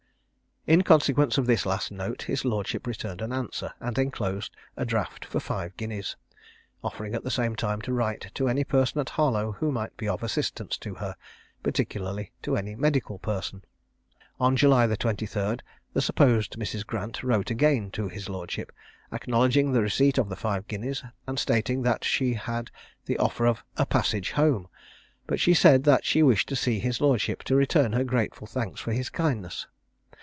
In consequence of this last note, his lordship returned an answer, and enclosed a draft for five guineas, offering at the same time to write to any person at Harlow who might be of assistance to her, particularly to any medical person. On July the 23rd the supposed Mrs. Grant wrote again to his lordship, acknowledging the receipt of the five guineas, and stating that she had the offer of a passage home: but she said that she wished to see his lordship, to return her grateful thanks for his kindness.